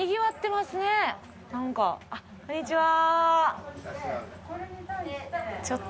あっこんにちは。